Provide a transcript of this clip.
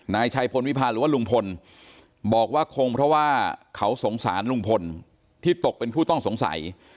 นายชัยพลวิพาหรือว่าลุงพลบอกว่าคงเพราะว่าเขาสงสารลุงพลที่ตกเป็นผู้ต้องสงสัย